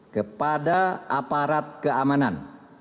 kepada aparat keamanan